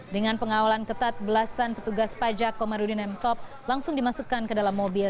dengan pengawalan ketat belasan petugas pajak komarudin m top langsung dimasukkan ke dalam mobil